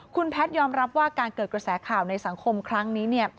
คุณแพทยอมรับว่าการเกิดกระแสข่าวในสังคมครั้งนี้